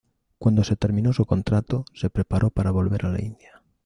Cuando se terminó su contrato, se preparó para volver a la India.